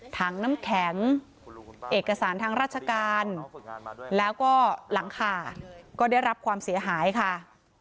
ถังน้ำแข็งเอกสารทางราชการแล้วก็หลังคาก็ได้รับความเสียหายค่ะ